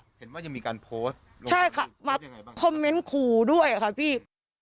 เห็นว่าจะมีการโพสต์ใช่ค่ะมาเข้าใจจากคุขันกูด้วยค่ะพี่